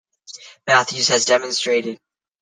Matthews has demonstrated.